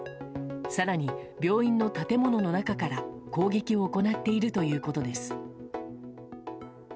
更に、病院の建物の中から攻撃を行っているということです。